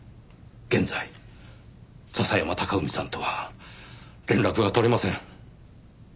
現在笹山隆文さんとは連絡が取れません。